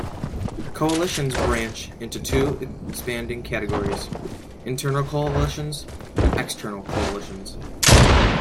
Coalitions branch into two expanding categories: internal coalitions and external coalitions.